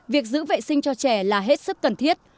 việc giữ vệ sinh cho trẻ là hết sức cần thiết